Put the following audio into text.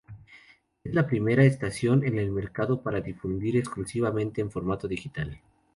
Es la primera estación en el mercado para difundir exclusivamente en formato digital.